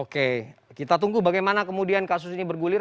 oke kita tunggu bagaimana kemudian kasus ini bergulir